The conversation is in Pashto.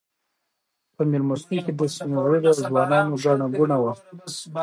په مېلمستون کې د سپین ږیرو او ځوانانو ګڼه ګوڼه وه.